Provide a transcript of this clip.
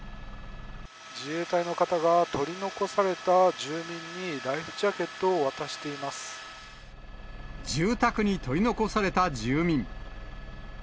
自衛隊の方が取り残された住民にライフジャケットを渡してい住宅に取り残された住民。